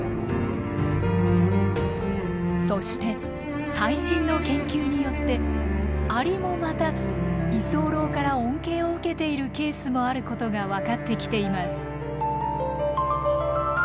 そして最新の研究によってアリもまた居候から恩恵を受けているケースもあることが分かってきています。